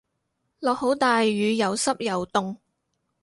落好大雨又濕又凍